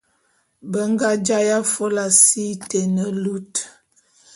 Be nga jaé afôla si te ne lut.